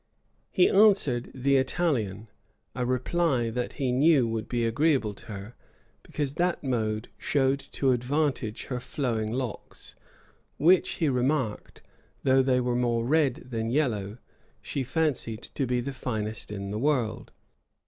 He answered, the Italian; a reply that he knew would be agreeable to her, because that mode showed to advantage her flowing locks, which, he remarked, though they were more red than yellow, she fancied to be the finest in the world.